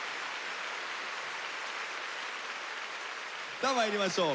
さあまいりましょう。